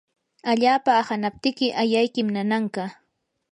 allapa ahanaptiki ayaykim nananqa.